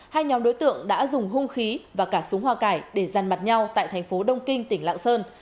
hai nhóm đối tượng đã dùng hung khí và cả súng hoa cải để ràn mặt nhau tại thành phố đông kinh tỉnh lạng sơn